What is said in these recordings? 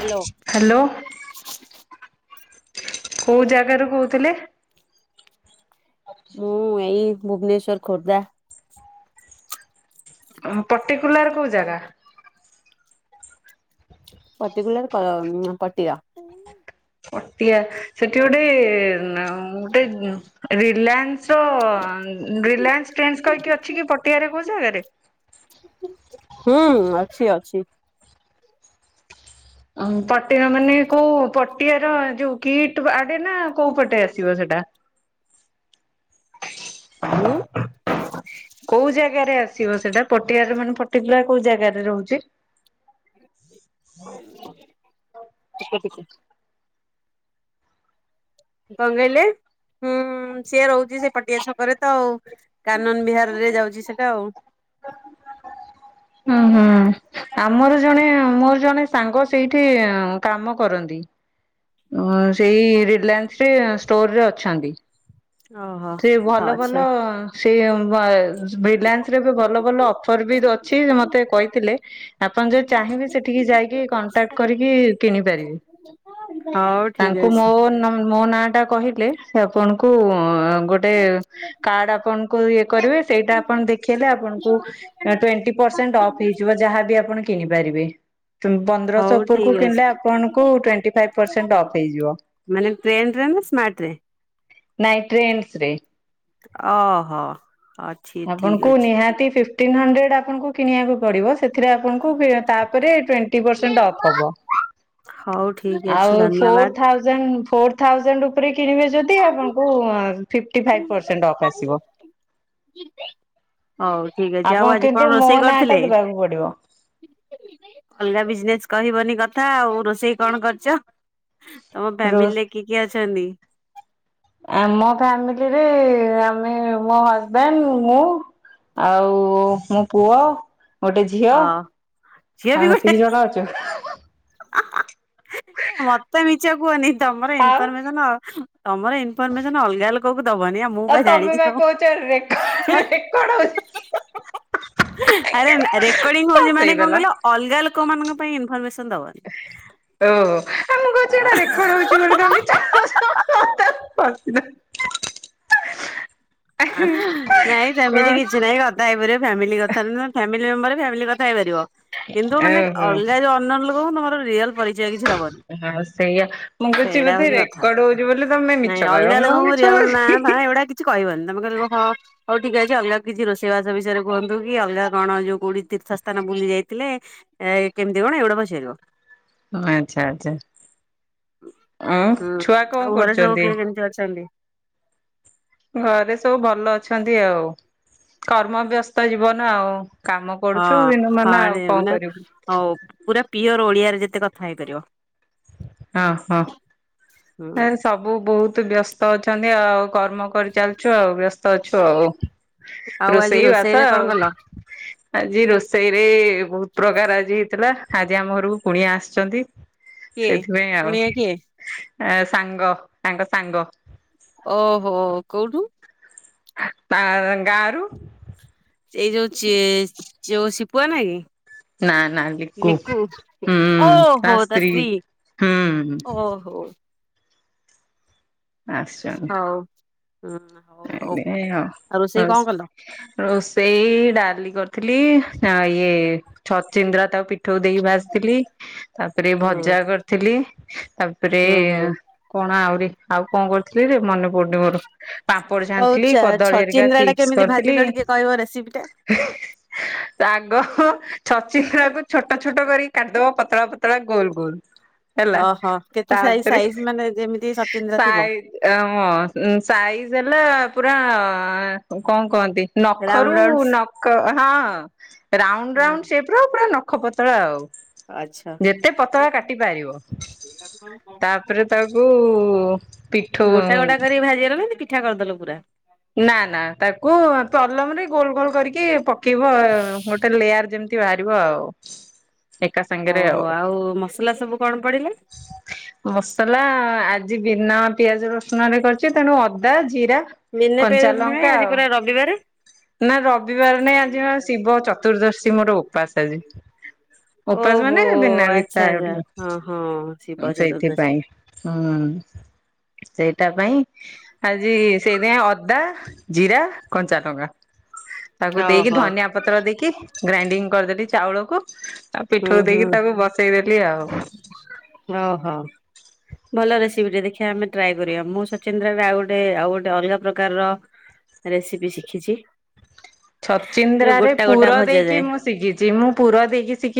Hello. Hello. କୋଉ ଜାଗାରୁ କହୁଥିଲେ? ମୁଁ ଏଇ ଭୁବନେଶ୍ଵର ଖୋର୍ଦ୍ଧା। ପର୍ଟିକୁଲାର କୋଉ ଜାଗା। ପର୍ଟିକୁଲାର ପଟିଆ। ପଟିଆ, ସେଠି ଗୋଟେ [unintelligible] ରିଲାଏନ୍ସ ର ରିଲାଏନ୍ସ ଟ୍ରେଣ୍ଡସ୍ କହିକି ଅଛି କି ପଟିଆରେ କୋଉ ଜାଗାରେ? [inaudible] ହୁଁ ଅଛି ଅଛି। ପଟିଆ ର ମାନେ କୋଉ ପଟିଆର ଯୋଉ କିଟ୍ ଆଡେ ନା କୋଉ ପଟେ ଆସିବ ସେଟା ଟା [unintelligible] ହୁଁ। କୋଉ ଜାଗାରେ ଆସିବ ସେଟା ପଟିଆରେ ମାନେ ପଟି କୁଲାର କୋଉ ଜାଗାରେ ରହୁଛି? ହୁଁ [inaudible] ପିକ ପିକା [unintelligible] କଣ କହିଲେ ହୁଁ ସିଏ ରହୁଛି ସେ ପଟିଆ ଛକରେ ତ ଆଉ ଆନନ ବିହାର ରେ ଯାଉଛି ସେଇଟା ଆଉ ହୁଁ ହୁଁ। ଆମର ଜଣେ ମୋର ଜଣେ ସାଙ୍ଗ ସେଇଠି କାମ କରନ୍ତି। ସେଇ ରିଲାନ୍ସ ରେ ଷ୍ଟୋରରେ ଅଛନ୍ତି। ଓହୋ ସେ ହଁ ଭଲ ଆଚ୍ଛା। ଭଲ ସେ ରିଲାନ୍ସ ରେ ଏବେ ଭଲ ଭଲ ଅଫର ବି ଅଛି ମତେ କହିଥିଲେ। ଆପଣ ଯଦି ଚାହିଁବେ ସେଠିକି ଯାଇକି କଣ୍ଟାକ୍ଟ କରିକି କିଣି ପାରିବେ। ହଉ ଠିକ ତାଙ୍କୁ ମୋ ଅଛି ମୋ ନାଁ ଟା କହିଲେ ସେ ଆପଣଙ୍କୁ ଗୋଟେ କାର୍ଡ ଆପଣଙ୍କୁ ଇଏ କରିବେ ସେଇଟା ଆପଣ ଦେଖେଇଲେ ଆପଣଙ୍କୁ ଟ୍ୱେଣ୍ଟି ପ ପରସେଣ୍ଟ ଅଫ୍ ହେଇଯିବ, ଯାହାବି ଆପଣ କିଣିପାରିବେ। ହଉ ପନ୍ଦରଶହ ଠିକ ଉପରକୁ ଅଛି। କିଣିଲେ ଆପଣଙ୍କୁ ଟ୍ୱେଣ୍ଟି ଫାଇଭ୍ ପରସେଣ୍ଟ ଅଫ୍ ହେଇଯିବ। ଟ୍ରେଣ୍ଡରେେ ନା ସ୍ମାର୍ଟରେ ନାଇ ଟ୍ରେଣ୍ଡ୍ ଓହୋ। ଅଛି ଠିକ ଆପଣଙ୍କୁ ଅଛି ନିହାତି ଫିଫ୍ଟି ଟିନ୍ ହଣ୍ଡ୍ରେଡ୍ ଆପଣଙ୍କୁ କିଣିବାକୁ ପଡିବ ସେଥିରେ ଆପଣଙ୍କୁ ତାପରେ ଟ୍ୱେଣ୍ଟି ପରସେଣ୍ଟ ଅଫ୍ ହବ, ହଉ ଠିକ ଅଛି ଆଉ ଫୋର୍ ଧନ୍ୟବାଦ। ଥାଉଯାଣ୍ଡ୍ ଥାଉଜଣ୍ଡ୍ ଉପରେ କିଣିବେ ଯଦି ଆପଣଙ୍କୁ ଫିଫ୍ଟିଫାଇଭ୍ ପରସେଣ୍ଟ୍ ଅଫ୍ ଆସିବ। ହଉ ଠିକ ଅଛି ଆଉ ଆପଣ ଆଜି କିନ୍ତୁ କଣ ମୋ ରୋଷେଇ ନାଁ ଟା କରିଥିଲେ? ଦେବାକୁ ପଡିବ। ଅଲଗା ବିଜନେସ କହିବନି କ କଥା ଆଉ ରୋଷେଇ କଣ କରଛ ତମ ରୋସ୍ ଫ୍ୟାମିଲିରେ କି କିଏ ଅଛନ୍ତି? ଆମ ଫାମିଲିରେ ଆମେ ମୋ ହଜବେଣ୍ଡ୍ ମୁଁ ଆଉ ମୋ ପୁଅ। ଗୋଟେ ଝିଅ ହଁ ଝିଅ ବି ଆମେ ଗୋଟେ ଏତିକି ଜଣ ଅଛୁ। ମତେ ମିଛ କୁହନି ତମର ଆଉ ଇନଫରମେସନ ଅ ତମର ଇଫର୍ମେସନ୍ ଅଲଗା ଦବନି ଆ ମୁଁ ଆଉ କ ତମେ ଜାଣିଛି ବା ତମକୁ କହୁଛ ରେକର୍ଡ ରେକର୍ଡ ହଉଛି ଆରେ ରେକର୍ଡିଙ୍ଗ ହଉଛି ମାନେ କଣ ଫସେଇଦେଲ। କହିଲ ଅଲଗା ଲୋକ ମାନଙ୍କ ପାଇଁ ଇନଫର୍ମେସନ୍। ହ [unintelligible] ଓ। କହୁଛି ଏଟା ରେକର୍ଡ ହଉଛି ବୋଲି [unintelligible] ମ ନାଇଁ ସେମିତି କିଛି ନାଇଁ କଥା ହେଇପାରିବ ଫ୍ୟାମିଲି କଥା [unintelligible] [unintelligible] କଥା ହେଇପାରିବ କିନ୍ତୁ ମାନେ ଓହୋ ଅଲଗା ଯୋଉ ଅନ୍ୟାନ୍ୟ ଲୋକଙ୍କୁ ତମର ରିଏଲ୍ ପରିଚୟ କିଛି ଦବନି ହଁ ସେଇଆ ମୁଁ ସେ କହୁଛି ଏଟା ବୋଧେ ହଉଛି କଥା ରେକର୍ଡ ହଉଛି ବୋଲି ତମେ ମିଛ ନାଇଁ କହିବ ଅଲଗା ମୁଁ କଣ ମିଛ ରିଏଲ ନା କହୁଛି ଫାଁ ଏଗୁଡା କିଛି କହିବନି ତମେ କ [unintelligible] ହଁ ହଉ ଠିକ ଅଛି। ଅଲଗା କିଛି ରୋଷେଇବାସ ବିଷୟରେ କୁହନ୍ତୁ କି ଅଲଗା କଣ ଯୋଉ କୋଉଠି ତୀର୍ଥସ୍ଥାନ ବୁଲି ଯାଇଥିଲେ, ଏ କେମିତି କଣ ଏଗୁଡା ପଚାରିବ? ଆଚ୍ଛା ଆଚ୍ଛା। ଉଁ ହୁଁ ଛୁଆ ଆଉ କଣ ଘରେ ସବୁ କରୁଚନ୍ତି? କିଏ କେମିତି ଅଛନ୍ତି? ଘରେ ସବୁ ଭଲ ଅଛନ୍ତି ଆଉ। କର୍ମ ବ୍ୟସ୍ତ ଜୀବନ ଆଉ। କାମ କରୁଛୁ ଦିନ ହଁ ହ ମାନ ଆଉ ଆଣି କଣ ମାନେ କରିବୁ। ହଉ ପୁରା ପିଓର ଓଡିଆରେ ଯେତେ କଥା ହେଇପାରିବ। ଓହୋ ହୁଁ ଏ ସବୁ ବହୁତ ବ୍ୟସ୍ତ ଅଛନ୍ତି ଆଉ। କର୍ମ କରିଚାଲିଚୁ ଆଉ। ବ୍ୟସ୍ତ ଅଛୁ ଆଉ। ଆଉ ଆଜି ରୋଷେଇ ବାସ ରୋଷେଇରେ କଣ କଲ? ଆଉ ଆଜି ରୋଷେଇରେ ବହୁତ ପ୍ରକାର ଆଜି ହେଇଥିଲା। ଆଜି ଆମ ଘରକୁ କୁଣିଆ ଆସିଛନ୍ତି। କିଏ? କୁଣିଆ କିଏ? ଏ ସାଙ୍ଗ ତାଙ୍କ ସାଙ୍ଗ। ଓହୋ। କୋଉଠୁ? ଆ ତା ଗାଁରୁ। ଏଇ ଯୋଉ ଚେ ଯୋଉ ସିପୁଆ ନୁହଁ କି? ନା ନା ଲିକୁ ହୁଁ ଓହୋ ତା ସ୍ତ୍ରୀ। ହୁଁ ଓହୋ। ଆସୁଚୁ ଆମେ। ହଉ ହୁଁ ହଉ ହଉ। ଆଉ ରୋଷେଇ କଣ କଲ? [unintelligible] ରୋଷେଇ ଡାଲି କରିଥିଲି ନା ଇଏ ଛଚିନ୍ଦ୍ରା ତା ପି ଠଉ ଦେଇକି ଭାଜିଥିଲି, ତାପରେ ହୁଁ ଭଜା କରିଥିଲି ତାପରେ ହୁଁ ହୁଁ କଣ ଆହୁରି ଆଉ କଣ କରିଥିଲି ରେ ମନେପଡ଼ୁନି ମୋର। ପାମ୍ପଡ଼ ହଉ ଛାଣିଥିଲି, ଚା କଦଳୀ ହେରିକା ଛଚିନ୍ଦ୍ରା ଟା ଚିପ୍ସ କେମିତି କରିଥିଲି ଭାଜିଲ ହିଁ ହିଁ ଟିକେ କହିବ ରେସିପି ଟା? ଶାଗ ହଁ ଛଚିନ୍ଦ୍ରାକୁ ଛୋଟ ଛୋଟ କରି କାଟିଦବ ପତଳା ପତଳା ଗୋଲ ଗୋଲ ହେଲା, ଓହୋ। କେତେ ସାଇ ତାପରେ ସାଇଜ ମାନେ ଯେମିତି ସଚିନ୍ଦ୍ରା ଥିବ ସାଇ ହଁ ସାଇଜ୍ ହେଲେ ପୁରା କଣ କହନ୍ତି? ରାଉଣ୍ଡ ନଖରୁ ରାଉଣ୍ଡ ନକ ହଁ ହଁ ରାଉଣ୍ଡ ହଁ ରାଉଣ୍ଡ ସେପର ପୁରା ନ ଖ ପତଳା ଆଉ, ଆଚ୍ଛା। ଯେତେ ପତଳା କାଟି ପାରିବ। ତାପରେ ତାକୁ ଉ-ଉ ପିଠଉ ଗୋଟା ଗୋଟା କରି ଭାଜିଦେଲ ନା ପିଠା କରିଦେଲ ପୁରା ନାଁ ନାଁ ତାକୁ ଆ ପଲମରେ ଗୋଲ ଗୋଲ କରିକି କି ପକେଇବ ଗୋଟେ ଲେୟାର ଯେମିତି ବାହାରିବ ଆଉ। ଏକା ସାଙ୍ଗରେ ଓହୋ ଆଉ। ମସଲା ସବୁ କଣ ପଡିଲା? ମସଲା ଆ ଆଜି ବିନା ପିଆଜ ରସୁଣରେ କରିଚି, ତେଣୁ ଅଦା ଜିରା ବିିନ ପିଆଜ କଞ୍ଚା ରସୁଣ କାଇଁ? ଲଙ୍କା ଆଜି ଆଉ ପରା ରବିବାରେ। ନା ରବିବାର ନାଇଁ ଆଜି ବା ଶିବ ଚତୁର୍ଦ୍ଦଶୀ ମୋର ଉପାସ ଆଜି। ଉପାସ ଓହୋ ମାନେ ବିନା ଆଚ୍ଛା ବିତା ଆଚ୍ଛା ଏଉଠୁ ହଁ ହଁ ଶିବ ଚତୁର୍ଦ୍ଦଶୀ ସେଇଥିପାଇଁ ହଁ। ସେଇଟା ପାଇଁ ଆଜି ସେଇଥିପାଇଁ ଅଦା, ଜିରା, କଞ୍ଚା ଲଙ୍କା ତାକୁ ଦେଇକି ଓହୋ। ଧନିଆ ପତ୍ର ଦେଇକି ଗ୍ରାଇଣ୍ଡିଙ୍ଗ କରିଦେଲି ଚାଉଳକୁ ଆଉ ହୁଁ ପିଠଉ ହୁଁ ଦେଇକି ତାକୁ ବସେଇଦେଲି ଆଉ। ଓହୋ। ଭଲ ରେସିପିଟେ ଦେଖିବା ଆମେ ଟ୍ରାଏ କରିବା। ମୁଁ ସଚିନ୍ଦ୍ରାରେ ଆଉ ଗୋଟେ ଆଉ ଗୋଟେ ଅଲଗା ପ୍ରକାରର ରେସିପି ଶିଖିଛି। ଯୋଉ ଛଚିନ୍ଦ୍ରାରେ ଗୋଟା ଗୋଟା ପୁର ଭଜା ଦେଇକି ଯାଏ। ମୁଁ ଶିକିଚି। ମୁଁ ପୁର ଦେଇକି ଶିକି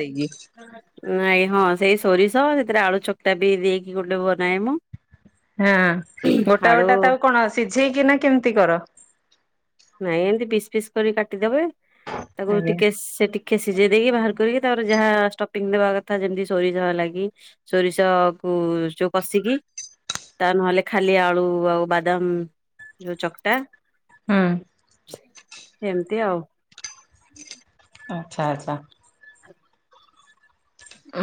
ଦେଇକି ନାଇଁ ହଁ ସେଇ ସୋରିଷ ହଁ ସେଥିରେ ଆଳୁ ଚକଟା ବି ଦେଇକି ଗୋଟେ ବନାଏ ମୁଁ ହଁ ଗୋଟା ଆଳୁ ଗୋଟା ତ ଆଉ କଣ ସିଝେଇକି ନା କେମିତି କର? ନାଇଁ ଏମିତି ପିସ୍ ପିସ୍ କରି କାଟିଦବେ, ତାକୁ ଆଜ୍ଞା ଟିକେ ସେ ଟିକେ କେ ସିଜେଇ ଦେଇକି ବାହାର କରିକି ତାପରେ ଯାହା ଷ୍ଟପିଙ୍ଗ୍ ଦବା କଥା ଯେମତି ଷୋରିଷ ହେଲା କି ଷୋରିଷ ଉ ଯୋଉ କଷିକି। ତା ନହେଲେ ଖାଲି ଆଳୁ ଆଉ ବାଦାମ ଯୋଉ ଚକ୍ଟା। ହୁଁ। ସେମତି ଆଉ। ଆଚ୍ଛା ଆଚ୍ଛା।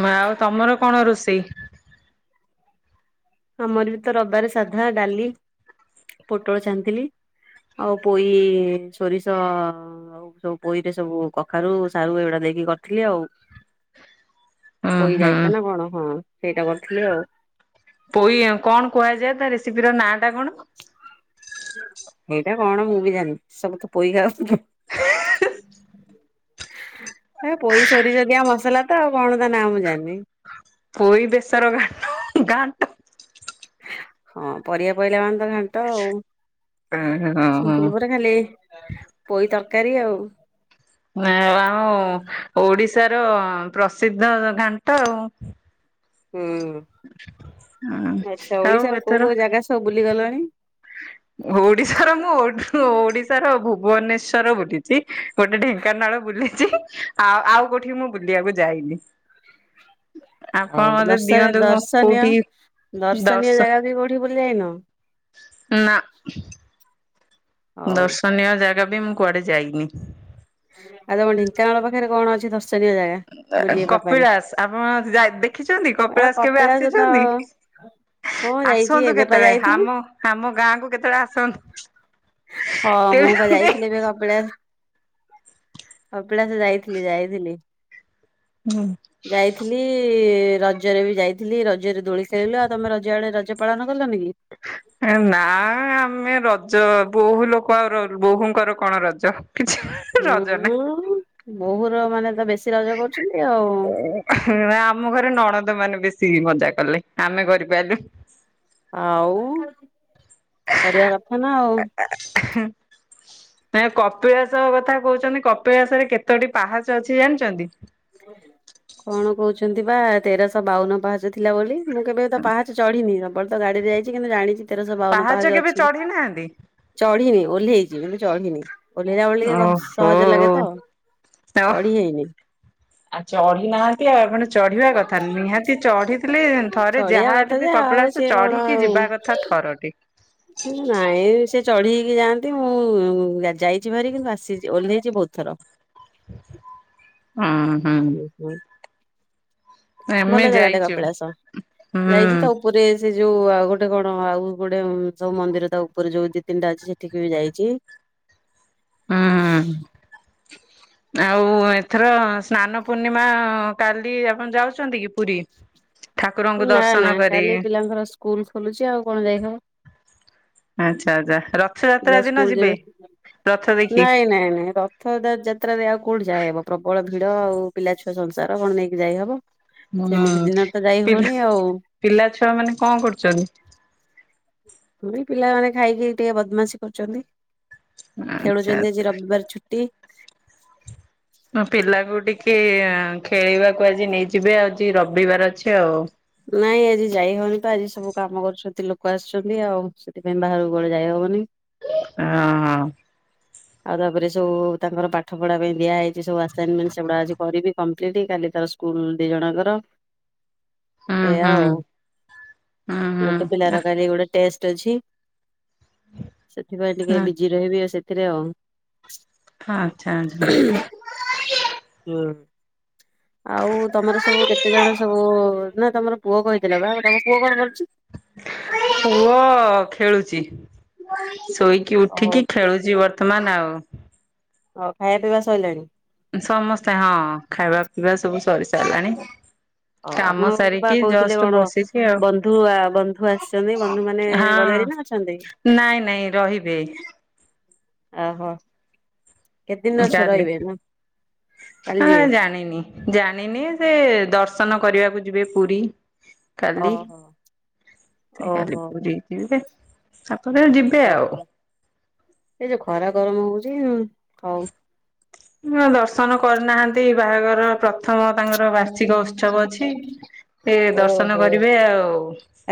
ମ ଆଉ ତମର କଣ ରୋଷେଇ? ଆମର ବି ତ ରବାରେ ସାଧା ଡାଲି ପୋଟଳ ଛାଣିଥିଲି। ଆଉ ପୋଇ ଷୋରିଷ ଆଉ ସବୁ ପୋଇରେ ସବୁ କଖାରୁ ସାରୁ ଏଉଡ଼ା ଦେ ଇକି କରିଥିଲି ଆଉ। [inaudible] ଉଁ ପୋଇ ହୁଁ ରାଇତା ନାଁ କଣ ହଁ ସେଇଟା କରିଥିଲି ଆଉ। ପୋଇ ଆଉ କଣ କୁହାଯାଏ ତା ରେସିପିର ନାଁଟା କଣ? ହେଇଟା କଣ ମୁଁ ବି ଜାଣିନି ସବୁ ତ ପୋଇ କାଉ। ହେ ପୋଇ ଷୋରିଷ ଦିଆ ମସଲା ତ ଆଉ କଣ ତ ନା ମୁଁ ଜାଣିନି। ପୋଇ ବେଶର ଘାଁଟ ଘାଁଣ୍ଟ ହଁ ପରିବା ପଇଲା ମାନ ତ ଘାଣ୍ଟ ଆଉ ହଁ ହଁ। ସିମ୍ପୁଲ ପରେ ଖାଲି ପୋଇ ତର୍ କାରି ଆଉ। ନାଁ ଆମ ଓଡ଼ିଶାର ପ୍ରସିଦ୍ଧ ଘାଣ୍ଟ ଆଉ। ହୁଁ ହୁଁ ଆଚ୍ଛା ଓଡ଼ିଶାର କୋଉ କୋଉ ଜାଗା ସବୁ ବୁଲି ଗଲଣି? [inaudible] ଓଡ଼ିଶାର ମୁଁ ଓ ଓଡ଼ିଶାର ଭୁବନେଶ୍ଵର ବୁଲିଚି ଗୋଟେ ଢେଙ୍କାନାଳ ବୁ ଲିଚି ଆଉ ଆଉ କୋଉଠି ମୁଁ ବୁଲିବାକୁ ଯାଇନି। ଆପଣ ଆଉ ମତେ ଦର୍ଶନ ଦିଅନ୍ତୁ କଁ ଦର୍ଶନୀୟ କୋଉଠି ଦର୍ଶନୀୟ ଦର୍ଶ ଜାଗା ବି କୋଉଠି ବୁଲି ଆଇନ? ନାଁ। ହଉ ଦର୍ଶନୀୟ ଜାଗା ବି ମୁଁ କୁଆଡ଼େ ଯାଇନି। ଆ ତମ ଢେଙ୍କାନାଳ ପାଖରେ କଣ ଅଛି ଦର୍ଶ ଉଁ ଆ କପିଳାସ ଆପଣ ଯା ଦେଖିଛନ୍ତି ଆଉ କପିଳାସ କେବେ ତ ଆସିଛନ୍ତି? ହଁ ଯାଇଛି ଆସନ୍ତୁ ଏବେ ପା କେତେଳେ ଯାଇଥିଲି। ଆମ ଆମ ଗାଁକୁ କେତେଳେ ଆସ ହ ମୁଁ ପା ଯାଇଥିଲି ଏବେ କପିଳା ଅ ପିଳାସ ଯାଇଥିଲି ଯାଇଥିଲି। ଯାଇଥିଲି ରଜରେ ବି ଯାଇଥିଲି ର ଜରେ ଦୋଳି ଖେଳିଳୁ ଆଉ ତମେ ରଜ ଆଡ଼େ ରଜ ପାଳନ କଲନି କି? ଏ ନାଁ ଆମେ ର ଜ ବୋହୂ ଲୋକ ଆଉ ର ବୋହୂଙ୍କର କଣ ରଜ କିଛି ରଜ ନାଁ। ବୋହୂର ମାନେ ତ ବେଶୀ ରଜ କର ଅ ନାଁ ଆମ ଘରେ ନଣନ୍ଦମାନେ ବେଶ୍ ଶି ମଜା କଲେ ଆମେ କରିପାଇଲୁ ଆଉ କରିବା କଥା ନାଁ ଆଉ। ସୁ ନାଁ ଏ କପିଳାସ କଥା କୋହୁଚନ୍ତି କପିଳାସରେ କେତଟି ପାହାଚ ଅଛି ଜାଣିଚନ୍ତି? କଣ କୋହୁଛନ୍ତି ବା ତେରଶ ବାଉନ ପାହାଚ ଥିଲା ବୋଲି। ମୁଁ କେବେ ତ ପାହାଚ ଚଢି଼ନି ସବୁବେଳେ ତ ଗାଡ଼ିରେ ଯାଇଚି କିନ୍ତୁ ଜାଣିଚି ତେରଶ ବାଉନ ପାହାଚ କେବେ ଅଛି ଚଢି ନାହାନ୍ତି ଚଢି଼ନି ଓହ୍ଲେଇଚି କିନ୍ତୁ ଚଢି଼ନି। ଓହ୍ଲେଇଲା ବଳିଏ କ ସହଜ ଲାଗେ ତ ଓହୋ। ଚଢ଼ି ହେଇନି। ଆ ଚଢ଼ିନାହା ନ୍ତି ଆପଣ ଚଢ଼ିବା କଥା ନିହାତି ଚଢି଼ଥିଲେ ଥରେ ଚଢିବା ଯାହା କଥା ହେଲେ ଯେ ବି ଆଉ କପିଳାସ ସିଏ ଚଢି଼କି ଯିବା କଥା ଥରଟେ। ଉଁ ନାଇଁ ସେ ଚଢି ହେଇକି ଯାଆନ୍ତି ମୁଁ ଯାଇଛି ଭାରି କିନ୍ତୁ ଆସିଛି, ଓହ୍ଲେଇଛି ବହୁତ ଥର। [inaudible] ହୁଁ ହୁ ହୁଁ। ଆମେ ଭଲ ଜାଗା ଟା ଯାଇଛୁ କପିଳାସ ହୁଁ ଯାଇଛି ତା ଉପରେ ସେ ଯୋଉ ଆଉ ଗୋଟେ କଣ ଆଉ ଗୋଟେ ସବୁ ମନ୍ଦିର ତା ଉପରେ ଯୋଉ ଦି ତିନିଟା ଅଛି ସେଠିକି ବି ଯାଇଛି। [inaudible] [inaudible] ଆଉ ଏଥର ସ୍ନାନ ପୂର୍ଣ୍ଣିମା କାଲି ଆପଣ ଯାଉଛନ୍ତି କି ପୁରୀ? [inaudible] ନା ଦର୍ଶନ ନା କରି କାଲି ପିଲାଙ୍କର ସ୍କୁଲ ଖୋଲୁଛି ଆଉ କଣ ଯାଇହବ। ଆଛା ଆଛା। ପିଲା ସ୍କୁଲ ଯିବେ? ରଥ ଦେଖି? ନାଇଁ ନାଇଁ ନାଇଁ ରଥଯାତ୍ରାରେ ଆଉ କୋଉଠି ଯାଇହବ ପ୍ରବଳ ଭିଡ ଆଉ ପିଲା ଛୁଆ ସଂସାର କଣ ନେଇକି ଯାଇହବ। ହୁଁ ପା ପିଲାଛୁଆ ମାନେ କଣ କରୁଛନ୍ତି? ହ ପିଲାମାନେ ଖାଇକି ଟିକେ ବଦମାସି କରୁଛନ୍ତି। ଆଚ୍ଛା ଖେଳୁଛନ୍ତି ଆଚ୍ଛା। ଆଜି ରବିବାର ଛୁଟି ମୋ କୁ ଆଜି ନେଇଯିବେ ଆଉ ରବିବାର ଅଛି ଆଉ। ନାଇଁ ଆଜି ଯାଇ ହବନି ତ ଆଜି ସବୁ କାମ କରୁଛନ୍ତି, ଲୋକ ଆସୁଛନ୍ତି ଆଉ ସେଥିପାଇଁ ବାହାରକୁ ବଳେ ଯାଇହବନି ହଁ ହ। ଆଉ ତାପରେ ସବୁ ତାଙ୍କର ପାଠ ପଢା ପାଇଁ ଦିଆ ହେଇଛି ସବୁ ଆସାଇନମେଣ୍ଟ ସେଗୁଡା ଆଜି କରିବି କମ୍ପ୍ଲିଟ କାଲି ତାର ସ୍କୁଲ ଦି ଜଣଙ୍କର ହୁଁ ଏଆ ହୁଁ ଆଉ ହୁଁ ହୁଁ ଗୋଟେ ପିଲାର କାଲି ଗୋଟେ ଟେଷ୍ଟ୍ ଟେଲସି ସେଥିପାଇଁ ଟିକେ ଆଚ୍ଛା ବିଜି ରହିବି ଆଉ ସେଥିରେ ଆଉ। ହ ଆଚ୍ଛା ଆଛା। ହୁଁ। ଆଉ ତମର ସବୁ କେତେ ଜଣ ସବୁ ନା ତମର ପୁଅ କହିଥିଲା ବା ତମ ପୁଅ କଣ କରୁଛି? ପୁଅ ଖେଳୁଛି। ଶୋଇକି ଓହୋ ଉଠିକି ଖେଳୁଛି ବର୍ତ୍ତମାନ ଆଉ। ହଉ ଖାଇବା ପିଇବା ସରିଲାଣି? ସମସ୍ତେ ହଁ ଖାଇବା ପିଇବା ସବୁ ସରି ସାରିଲାଣି। ହଉ କାମ ଆପଣ ବା ସାରିକି କହୁଥିଲେ ଜଷ୍ଟ କଣ ବସିଛି ଆଉ ବନ୍ଧୁ ବନ୍ଧୁ ଆସିଛନ୍ତି ବନ୍ଧୁ ମାନେ ଗଲେଣି? ହଁ ନା ଅଛନ୍ତି? ନାଇଁ ନାଇଁ ରହିବେ। ଆହୋ। ଯା ପିଲେ କାଲି ହ ଯିବେ ଜାଣିନି ଜାଣିନି ସେ ଦର୍ଶ ଦର୍ଶନ କରିବାକୁ ଯିବେ ପୁରୀ କାଲି ଓହୋ ସେ କାଲି ଓହୋ ପୁରୀ ଯିବେ। ତାପରେ ଯିବେ ଆଉ ଓହୋ ଏ ଯୋଉ ଖରା ଗରମ ହଉଛି ହଉ। ହ ଦର୍ଶନ କରିନାହାନ୍ତି ବାହାଘର ପ୍ର ପ୍ରଥମ ତାଙ୍କର ବାର୍ଷିକ ଉତ୍ସବ ଅଛି ସେ ଓହୋ। ଦର୍ଶନ କରିବେ ଆଉ।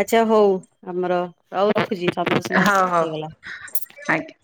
ଆଚ୍ଛା ହଉ ଆମର ଆଉ ରଖୁଛି। ହଉ [unintelligible] ହଉ ହେଇଗଲା। ଆଜ୍ଞା।